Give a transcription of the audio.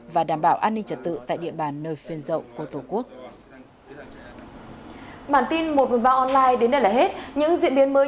và đảm bảo an ninh trật tự tại địa bàn nơi phên rộng